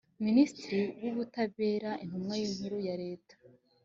ministri w ubutabera intumwa nkuru ya leta